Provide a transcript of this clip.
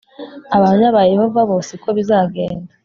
abahamya ba yehova bo siko bizagenda